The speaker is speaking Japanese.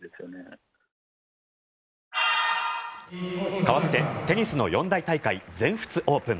かわってテニスの四大大会全仏オープン。